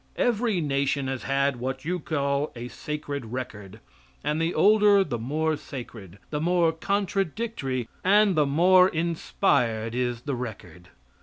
Every nation has had what you call a sacred record, and the older the more sacred, the more contradictory and the more inspired is the record.